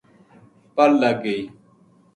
پَل لگ گئی۔